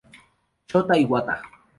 Shota Iwata